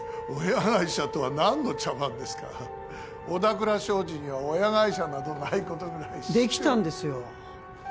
親会社とは何の茶番ですか小田倉商事には親会社などないことぐらいできたんですよ